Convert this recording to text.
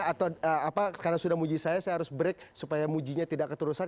atau karena sudah muji saya saya harus break supaya mujinya tidak keturusan